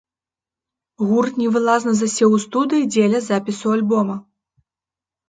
Гурт невылазна засеў у студыі дзеля запісу альбома.